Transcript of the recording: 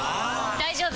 大丈夫！